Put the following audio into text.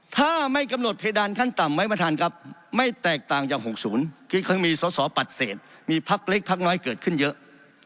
ถ้าไม่กำหนดเพดานขั้นต่ำไว้ประธานครับไม่แตกต่างจาก๖๐ที่เขามีสอสอปัดเศษมีพักเล็กพักน้อยเกิดขึ้นเยอะ